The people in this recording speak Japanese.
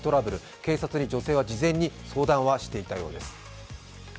警察に女性は、事前に相談はしていたようです。